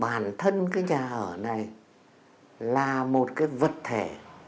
bản thân cái nhà ở này là một cái vật thể